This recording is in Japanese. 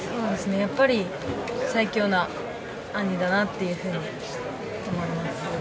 やっぱり最強の兄だなというふうに思います。